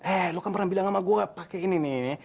eh lo kan pernah bilang sama gue pakai ini nih